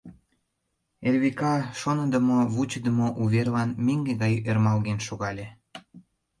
Эрвика шоныдымо-вучыдымо уверлан меҥге гай ӧрмалген шогале.